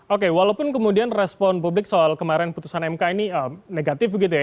oke walaupun kemudian respon publik soal kemarin putusan mk ini negatif gitu ya